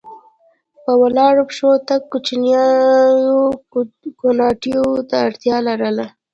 په ولاړو پښو تګ کوچنیو کوناټیو ته اړتیا لرله.